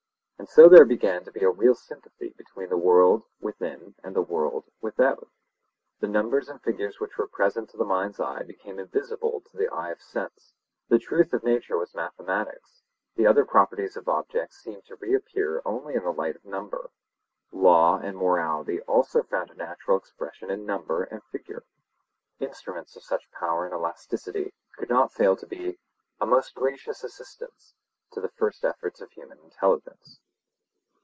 And so there began to be a real sympathy between the world within and the world without. The numbers and figures which were present to the mind's eye became visible to the eye of sense; the truth of nature was mathematics; the other properties of objects seemed to reappear only in the light of number. Law and morality also found a natural expression in number and figure. Instruments of such power and elasticity could not fail to be 'a most gracious assistance' to the first efforts of human intelligence.